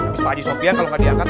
tapi pak adi sopya kalo gak diangkat